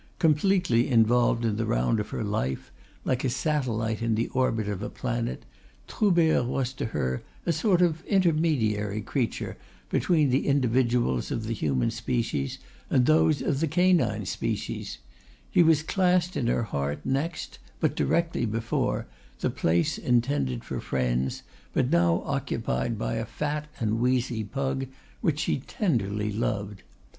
Completely involved in the round of her life, like a satellite in the orbit of a planet, Troubert was to her a sort of intermediary creature between the individuals of the human species and those of the canine species; he was classed in her heart next, but directly before, the place intended for friends but now occupied by a fat and wheezy pug which she tenderly loved.